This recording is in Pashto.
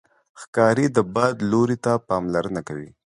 ښکاري د باد لوري ته پاملرنه کوي.